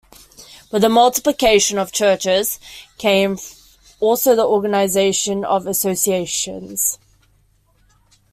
With the multiplication of churches came also the organization of associations.